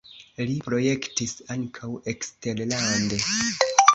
Li projektis ankaŭ eksterlande.